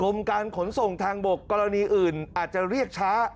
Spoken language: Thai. การขนส่งทางบกกรณีอื่นอาจจะเรียกช้า